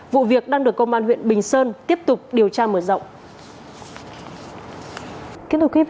vụ việc đang được công an huyện bình sơn tiếp tục điều tra mở rộng